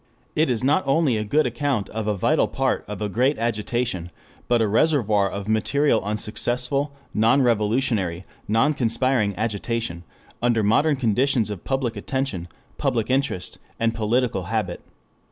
_ It is not only a good account of a vital part of a great agitation, but a reservoir of material on successful, non revolutionary, non conspiring agitation under modern conditions of public attention, public interest, and political habit.